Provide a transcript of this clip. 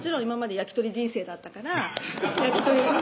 焼き鳥人生だったから焼き鳥